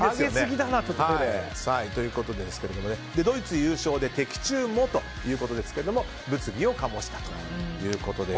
ドイツ優勝で的中もということですが物議を醸したということです。